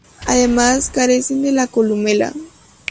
Además, carecen de columela.